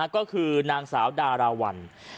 ก็คือนางสาวดาราวัล